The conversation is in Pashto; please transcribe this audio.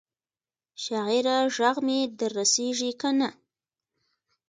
شاعره ږغ مي در رسیږي کنه؟